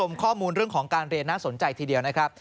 ข้อมูลเรื่องของการเรียนน่าสนใจทีเดียวนะครับ